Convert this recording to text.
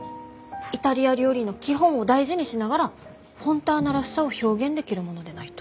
イタリア料理の基本を大事にしながらフォンターナらしさを表現できるものでないと。